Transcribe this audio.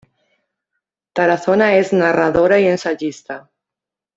Tarazona es narradora y ensayista.